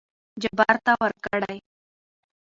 جبار ته ورکړې.